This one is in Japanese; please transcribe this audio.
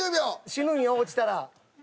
死ぬんよ落ちたら。